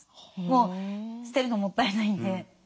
もう捨てるのもったいないんで。